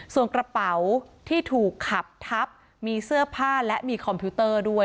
ส่วนกระเป๋าที่ถูกขับทับมีเสื้อผ้าและมีคอมพิวเตอร์ด้วย